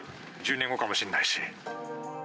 １０年後かもしれないし。